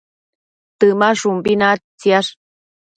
Temashumbi naidtsiash